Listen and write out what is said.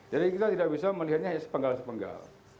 jadi kita tidak bisa melihatnya sepenggal sepenggal